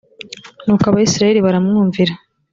nuko abayisraheli baramwumvira,